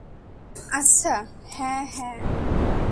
আচ্ছা, হ্যা, হ্যা।